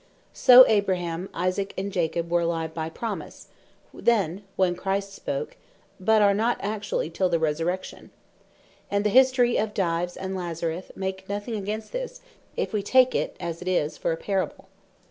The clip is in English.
So Abraham, Isaac, and Jacob were alive by promise, then, when Christ spake; but are not actually till the Resurrection. And the History of Dives and Lazarus, make nothing against this, if wee take it (as it is) for a Parable.